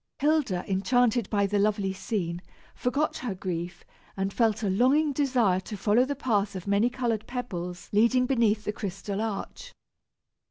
Hilda, enchanted by the lovely scene, forgot her grief, and felt a longing desire to follow the path of many colored pebbles leading beneath the crystal arch.